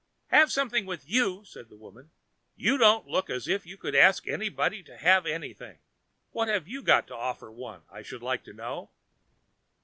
"Have something with you!" said the woman. "You don't look as if you could ask any one to have anything! What have you got to offer one, I should like to know?"